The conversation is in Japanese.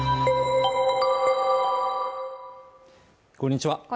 こんにちは